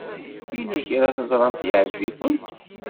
Yella kra teẓramt yeɛjeb-ikent?